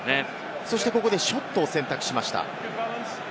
そして、ここでショットを選択しました。